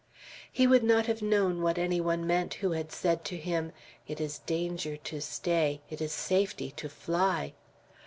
He would not have known what any one meant, who had said to him, "It is danger to stay; it is safety to fly."